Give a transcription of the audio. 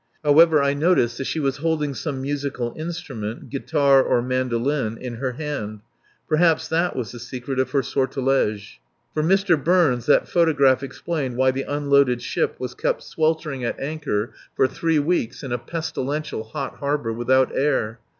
However, I noticed that she was holding some musical instrument guitar or mandoline in her hand. Perhaps that was the secret of her sortilege. For Mr. Burns that photograph explained why the unloaded ship had kept sweltering at anchor for three weeks in a pestilential hot harbour without air.